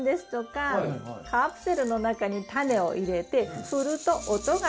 カプセルの中にタネを入れて振ると音がします。